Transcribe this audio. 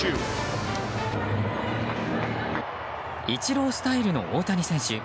イチロースタイルの大谷選手。